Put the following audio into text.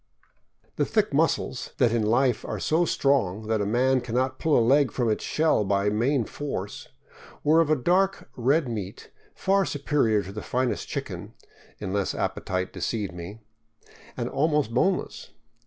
The thick muscles, that in life are so strong that a man can not pull a leg from its shell by main force, were of a dark red meat far superior to the finest chicken — unless appetite deceived me — and almost boneless.